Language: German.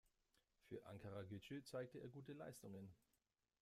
Für Ankaragücü zeigte er gute Leistungen.